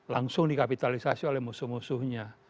langsung dikapitalisasi oleh musuh musuhnya